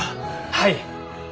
はい！